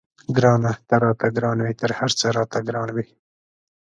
ګرانه ته راته ګران وې تر هر څه راته ګران وې.